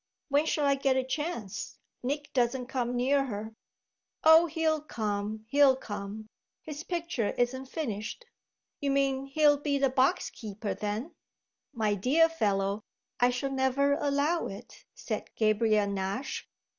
"When shall I get a chance? Nick doesn't come near her." "Oh he'll come, he'll come; his picture isn't finished." "You mean he'll be the box keeper, then?" "My dear fellow, I shall never allow it," said Gabriel Nash.